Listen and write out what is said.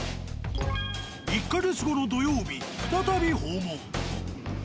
１か月後の土曜日再び訪問。